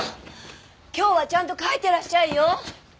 今日はちゃんと帰ってらっしゃいよ！